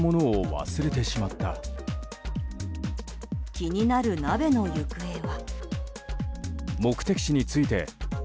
気になる鍋の行方は？